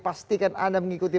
pastikan anda mengikuti